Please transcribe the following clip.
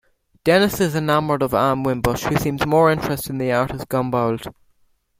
Denis is enamored of Anne Wimbush, who seems more interested in the artist Gombauld.